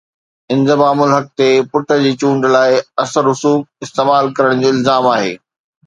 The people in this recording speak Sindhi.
انضمام الحق تي پٽ جي چونڊ لاءِ اثر رسوخ استعمال ڪرڻ جو الزام آهي